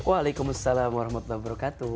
waalaikumsalam warahmatullahi wabarakatuh